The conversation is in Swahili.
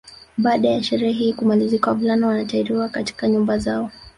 Baada ya sherehe hii kumalizika wavulana wanatahiriwa katika nyumba zao